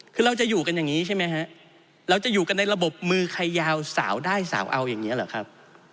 คือเราจะอยู่กันอย่างนี้ใช่ไหมฮะเราจะอยู่กันในระบบมือใครยาวสาวได้สาวเอาอย่างนี้เหรอครับ